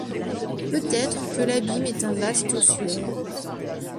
Peut-être que l’abîme est un vaste ossuaire